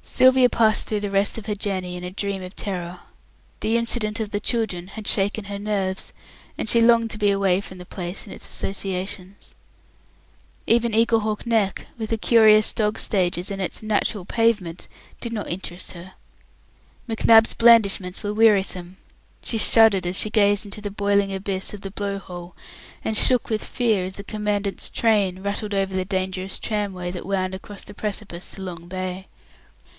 Sylvia passed through the rest of her journey in a dream of terror. The incident of the children had shaken her nerves, and she longed to be away from the place and its associations. Even Eaglehawk Neck with its curious dog stages and its "natural pavement", did not interest her. McNab's blandishments were wearisome. She shuddered as she gazed into the boiling abyss of the Blow hole, and shook with fear as the Commandant's "train" rattled over the dangerous tramway that wound across the precipice to Long Bay.